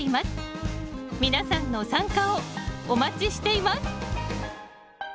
皆さんの参加をお待ちしています！